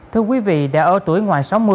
thưa quý vị đã ở tuổi ngoài sáu mươi